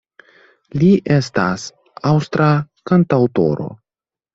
Li estas aŭstra kantaŭtoro.